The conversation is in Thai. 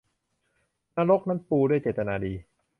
นรกนั้นปูด้วยเจตนาดี